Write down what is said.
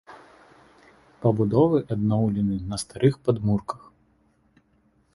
Пабудовы адноўлены на старых падмурках.